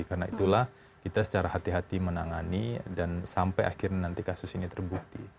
karena itulah kita secara hati hati menangani dan sampai akhirnya nanti kasus ini terbukti